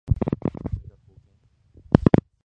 これが貢献？